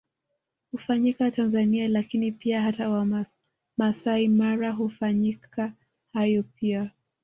Hufanyika Tanzania lakini pia hata Maasai Mara hufanyika hayo pia